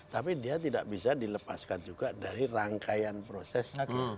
tapi dia tidak bisa dilepaskan juga dari rangkaian proses